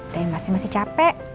teteh masih masih capek